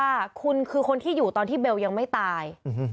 ว่าคุณคือคนที่อยู่ตอนที่เบลยังไม่ตาย